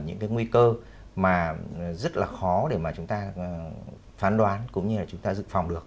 những nguy cơ rất là khó để chúng ta phán đoán cũng như chúng ta dự phòng được